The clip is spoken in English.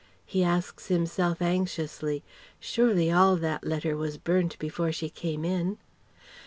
(He asks himself anxiously "Surely all that letter was burnt before she came in?")